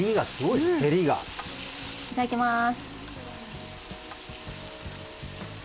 いただきます。